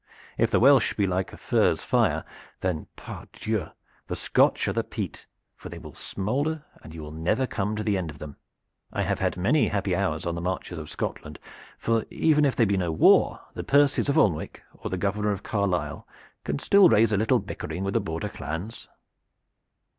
If the Welsh be like the furze fire, then, pardieu! the Scotch are the peat, for they will smolder and you will never come to the end of them. I have had many happy hours on the marches of Scotland, for even if there be no war the Percies of Alnwick or the Governor of Carlisle can still raise a little bickering with the border clans."